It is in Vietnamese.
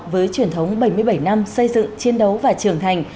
với truyền thống bảy mươi bảy năm xây dựng chiến đấu và trưởng thành